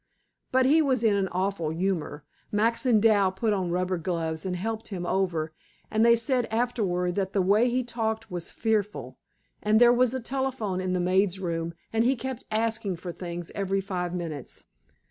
But he was in an awful humor. Max and Dal put on rubber gloves and helped him over, and they said afterward that the way he talked was fearful. And there was a telephone in the maid's room, and he kept asking for things every five minutes.